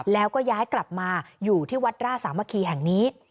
แล้วก็ย้ายกลับมาอยู่ที่วัดร่าศาสตร์เมื่อกี้แห่งนี้